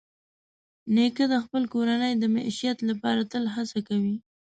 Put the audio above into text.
نیکه د خپلې کورنۍ د معیشت لپاره تل هڅه کوي.